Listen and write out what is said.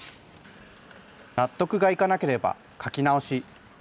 納得がいかなければ描き直し。